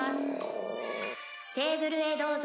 「テーブルへどうぞ」